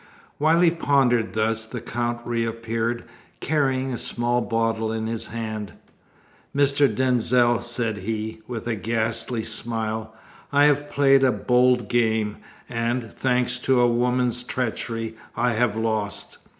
While he pondered thus the Count reappeared, carrying a small bottle in his hand. "Mr. Denzil," said he, with a ghastly smile, "I have played a bold game, and, thanks to a woman's treachery, I have lost.